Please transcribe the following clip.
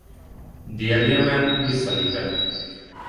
Dél-Jemen visszalépett.